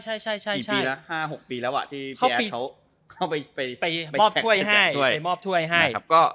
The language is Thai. ห้าหกปีแล้วอะที่พี่แอร์เขาไปมอบถ้วยให้